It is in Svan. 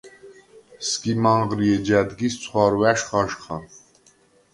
სგიმ ანღრი, ეჯ ა̈დგილს ცხვარვა̈შ ხაჟხა.